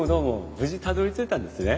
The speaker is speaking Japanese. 無事たどりついたんですね。